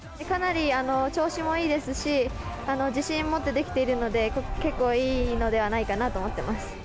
かなり調子もいいですし、自信を持ってできているので、結構いいのではないかなと思ってます。